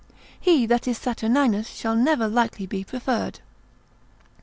He that is Saturninus shall never likely be preferred.